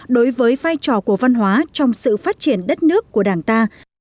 đối với vai trò của văn hóa trong sự phát triển đất nước của đảng ta